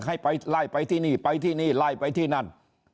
ให้ไปไล่ไปที่นี่ไปที่นี่ไล่ไปที่นั่น